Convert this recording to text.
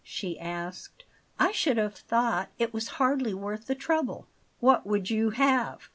she asked. "I should have thought it was hardly worth the trouble." "What would you have?